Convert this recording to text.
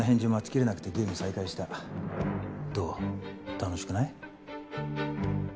楽しくない？